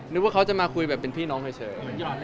ว่าเขาจะมาคุยแบบเป็นพี่น้องเฉย